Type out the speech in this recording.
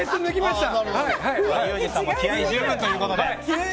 ユージさんも気合十分ということで。